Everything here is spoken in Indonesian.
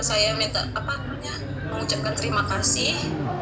saya minta mengucapkan terima kasih